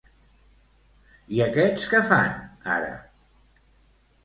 I aquests què fan, ara?